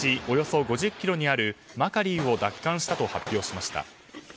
およそ５０ｋｍにあるマカリウを奪還したと発表しました。